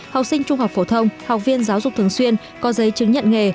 học sinh trung học phổ thông học viên giáo dục thường xuyên có giấy chứng nhận nghề